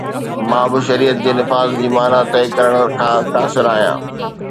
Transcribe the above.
مان به شريعت جي نفاذ جي معنيٰ طئي ڪرڻ کان قاصر آهيان.